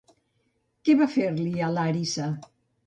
Què va fer-li a Làrissa?